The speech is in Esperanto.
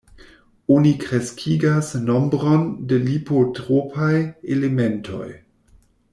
Oni kreskigas nombron de lipotropaj elementoj.